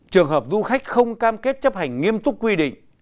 trường hợp du khách không cam kết chấp hành nghiêm túc quy định